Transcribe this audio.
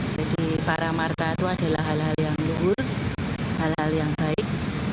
jadi paramarta itu adalah hal hal yang luhur hal hal yang baik